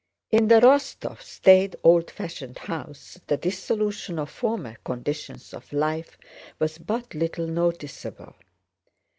In the Rostóvs' staid old fashioned house the dissolution of former conditions of life was but little noticeable.